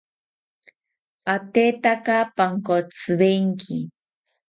Atetaka pankotziwenki